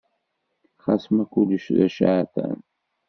Xas ma kullec d aceɛtan.